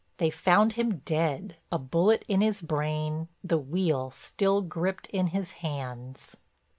They found him dead, a bullet in his brain, the wheel still gripped in his hands.